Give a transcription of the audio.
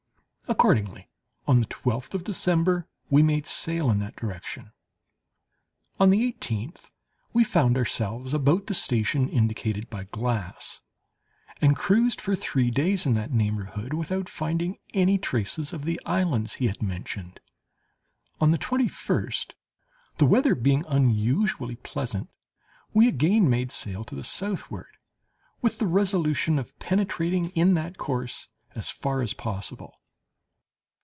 Accordingly, on the twelfth of December, we made sail in that direction. On the eighteenth we found ourselves about the station indicated by Glass, and cruised for three days in that neighborhood without finding any traces of the islands he had mentioned. On the twenty first, the weather being unusually pleasant, we again made sail to the southward, with the resolution of penetrating in that course as far as possible.